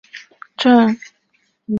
本站为地下岛式站台车站。